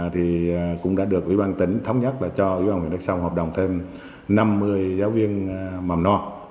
thì cũng đã được ủy ban tỉnh thống nhất là cho ủy ban huyện đức sông hợp đồng thêm năm mươi giáo viên mầm non